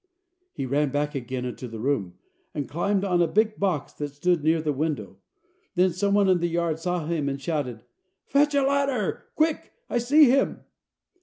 He ran back again into the room, and climbed on a big box that stood near the window. Then some one in the yard saw him and shouted: "Fetch a ladder, quick! I see him."